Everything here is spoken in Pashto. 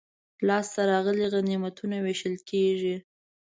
لاسته راغلي غنیمتونه وېشل کیږي.